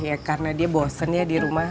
ya karena dia bosen ya di rumah